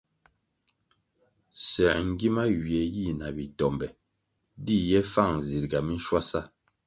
Soē ngima ywie yi na bi tombe di ye fang zirga minshwasa.